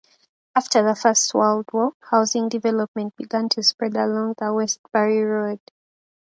After the First World War, housing development began to spread along the Westbury Road.